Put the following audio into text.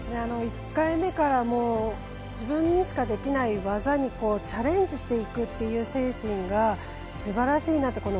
１回目から自分にしかできない技にチャレンジしていくという精神がすばらしいなと。